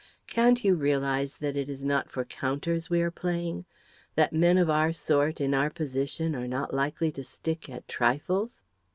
Can't you realise that it is not for counters we are playing? That men of our sort, in our position, are not likely to stick at trifles?